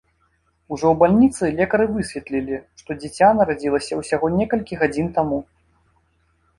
Ужо ў бальніцы лекары высветлілі, што дзіця нарадзілася ўсяго некалькі гадзін таму.